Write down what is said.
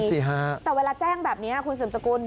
สิฮะแต่เวลาแจ้งแบบนี้คุณสืบสกุล